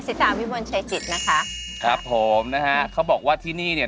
สาวิมลชัยจิตนะคะครับผมนะฮะเขาบอกว่าที่นี่เนี่ย